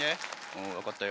うん分かったよ。